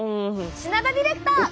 品田ディレクター！